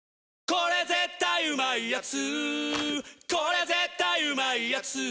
これ絶対うまいやつ」